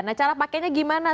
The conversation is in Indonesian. nah cara pakainya gimana